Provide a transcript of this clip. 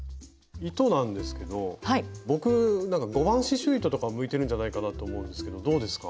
糸なんですけど僕５番刺しゅう糸とか向いてるんじゃないかなと思うんですけどどうですか？